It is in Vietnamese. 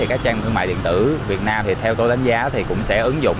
các trang thương mại điện tử việt nam thì theo tôi đánh giá thì cũng sẽ ứng dụng